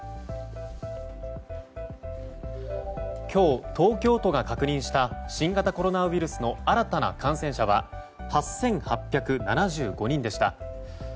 今日、東京都が確認した新型コロナウイルスの新たな感染者は８８７５人でした。